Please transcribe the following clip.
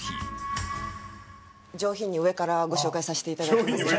上品に上からご紹介させていただきます。